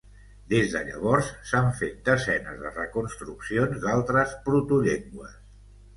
Des de llavors, s'han fet desenes de reconstruccions d'altres protollengües.